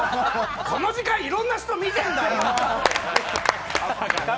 この時間、いろんな人、見てんだよ！